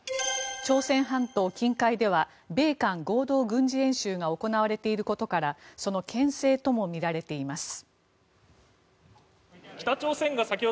朝鮮半島近海では米韓合同軍事演習が行われていることからそのけん制ともみられています。